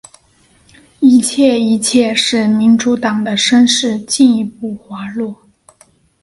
一切一切使民主党的声势进一步滑落。